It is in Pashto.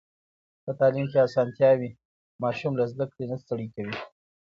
په تعلیم کې اسانتيا وي، ماشوم له زده کړې نه ستړی کوي.